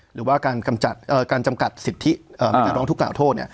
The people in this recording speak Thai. หรือว่าการจำกัดสิทธิในการร้องทุกกล่าวโทษ